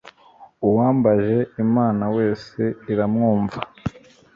uwambaza imana wese iramwumva